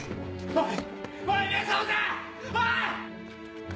おい！